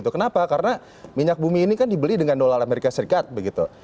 kenapa karena minyak bumi ini kan dibeli dengan dolar amerika serikat begitu